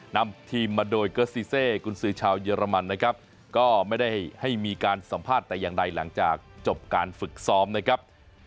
นำทีมมาโดยเกอร์ซีเซกุญสือชาวเยอรมันนะครับก็ไม่ได้ให้มีการสัมภาษณ์แต่อย่างใดหลังจากจบการฝึกซ้อมนะครับ